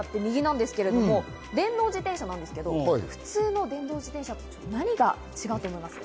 電動自転車ですが、普通の電動自転車と何が違うと思いますか？